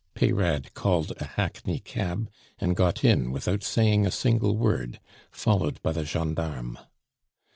Peyrade called a hackney cab, and got in without saying a single word, followed by the gendarme.